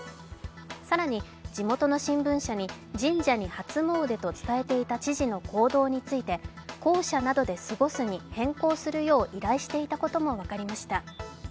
更に地元の新聞社に神社に初詣と伝えていた知事の行動について公舎などで過ごすに変更するよう依頼していたことも分かりました。